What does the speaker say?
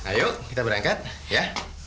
ayo kita berangkat ya